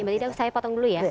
mbak ida saya potong dulu ya